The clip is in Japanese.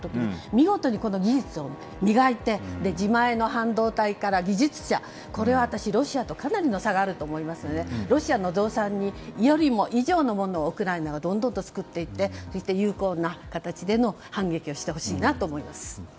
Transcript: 見事にこの技術を磨いて自前の半導体から技術者これはロシアとかなりの差があると思いますのでロシアの増産に予備以上のものをウクライナがどんどんと作っていってそして有効な形での反撃をしてほしいなと思います。